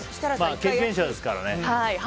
経験者ですからね。